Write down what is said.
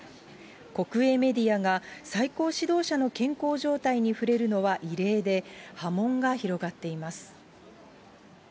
国営メディアが最高指導者の健康状態に触れるのは異例で、波紋が広がっています。